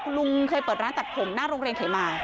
คุณลุงเคยเปิดร้านตัดผมหน้าโรงเรียนเขมา